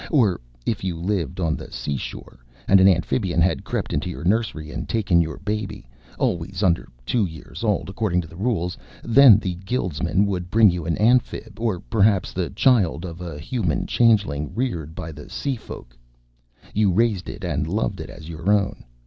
Or, if you lived on the sea shore, and an Amphibian had crept into your nursery and taken your baby always under two years old, according to the rules then the Guildsman would bring you an Amphib or, perhaps, the child of a Human Changeling reared by the Seafolk. You raised it and loved it as your own.